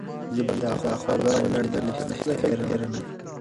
زه به دا خوږه او لنډه لیدنه هیڅکله هېره نه کړم.